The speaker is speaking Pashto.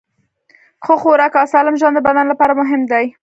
ښه خوراک او سالم ژوند د بدن لپاره مهم دي.